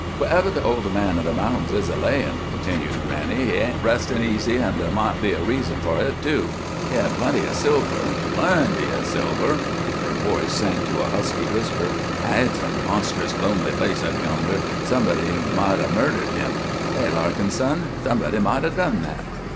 "Wherever the old man o' the mountain is a layin'," continued granny, "he ain't restin' easy, an' ther' might be a reason for hit, too. He had plenty o' silver plenty o' silver." Her voice sank to a husky whisper. "An' hit's a monstrous lonely place up yonder somebody might 'a' murdered him. Hay, Larkin, son? Somebody might 'a' done that."